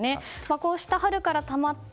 こうした春からたまった